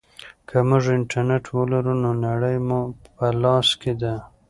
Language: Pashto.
که موږ انټرنیټ ولرو نو نړۍ مو په لاس کې ده.